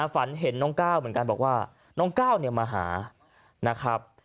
ฝันเห็นน้องก้าวเหมือนกันบอกว่าน้องก้าวมาหานะครับ